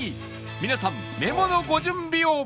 皆さんメモのご準備を